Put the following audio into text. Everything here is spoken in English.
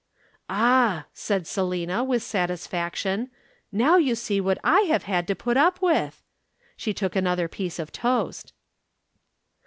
"'Ah,' said Selina with satisfaction. 'Now you see what I have had to put up with.' She took another piece of toast.